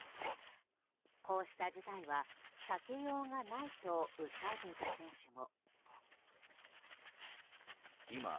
こうした事態は避けようがないと訴えていた選手も。